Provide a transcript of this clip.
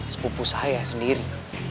sepupu saya sendiri